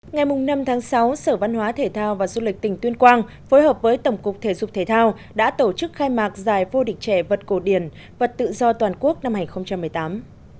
ngày năm tháng sáu sở văn hóa thể thao và du lịch tỉnh tuyên quang phối hợp với tổng cục thể dục thể thao đã tổ chức khai mạc giải vô địch trẻ vật cổ điển vật tự do toàn quốc năm hai nghìn một mươi tám